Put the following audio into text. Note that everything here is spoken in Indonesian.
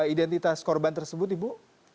identitas korban tersebut ibu